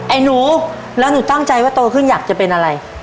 ไอ้หนูแล้วหนูตั้งใจว่าโตขึ้นอยากจะเป็นอะไร